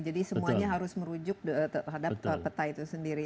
semuanya harus merujuk terhadap peta itu sendiri